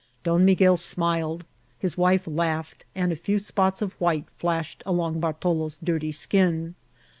Don Miguel smiled, his wife laughed, and a few spots of white flashed along Bartalo's dirty skin.